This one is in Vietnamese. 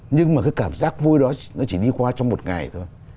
nhưng mà cái cảm giác vui đó nó chỉ đi qua trong một ngày thôi